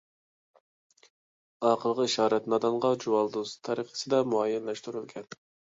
ئاقىلغا ئىشارەت نادانغا جۇۋالدۇرۇز تەرىقىسىدە مۇئەييەنلەشتۈرۈلگەن.